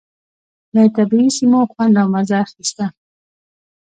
له طبعي سیمو خوند او مزه اخيسته.